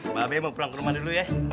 mbak abe mau pulang ke rumah dulu ya